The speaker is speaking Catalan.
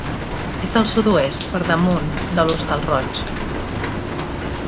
És al sud-oest, per damunt, de l'Hostal Roig.